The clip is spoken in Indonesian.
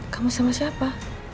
kamu sama siapa